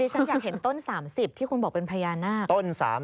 ฉันอยากเห็นต้น๓๐ที่คุณบอกเป็นพญานาค